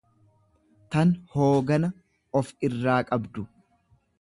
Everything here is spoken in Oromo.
tan hoogana of irraa qabdu.